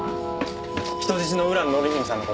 人質の浦野典史さんの事